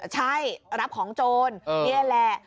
ใช่รับของโจรนี่แหละ